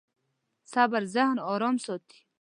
صبر ذهن ارام ساتي.